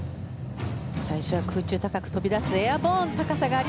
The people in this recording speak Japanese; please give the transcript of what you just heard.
最初は空中高く飛び出すエアボーン！